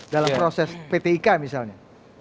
dalam proses pt ika misalnya